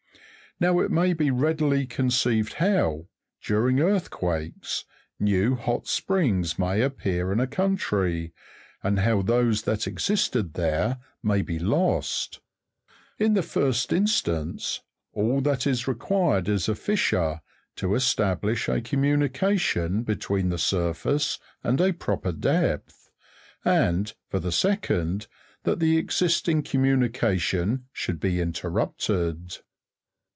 Now it may be readily conceived how, during earthquakes, new hot springs may appear in a country, and how those that existed there may be lost ; in the first instance, all that is required is a fissure, to establish a communication between the surface and a proper depth ; and, for the second, that the existing communication should be interrupted.